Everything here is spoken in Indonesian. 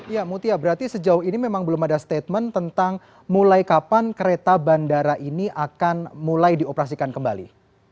ya mutia berarti sejauh ini memang belum ada statement tentang mulai kapan kereta bandara ini akan mulai dioperasikan kembali